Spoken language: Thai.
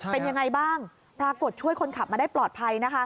เป็นยังไงบ้างปรากฏช่วยคนขับมาได้ปลอดภัยนะคะ